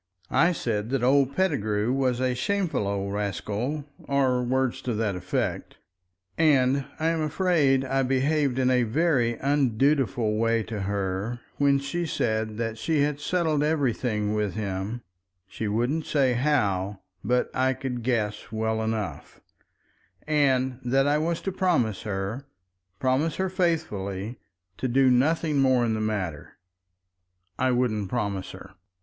I said that old Pettigrew was a shameful old rascal, or words to that effect, and I am afraid I behaved in a very undutiful way to her when she said that she had settled everything with him—she wouldn't say how, but I could guess well enough—and that I was to promise her, promise her faithfully, to do nothing more in the matter. I wouldn't promise her.